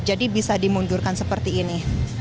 jadi bisa dimundurkan seperti ini